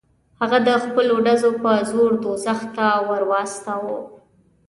هغه د خپلو ډزو په زور دوزخ ته ور واستاوه.